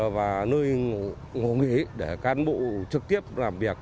và nơi ngủ nghỉ để cán bộ trực tiếp làm việc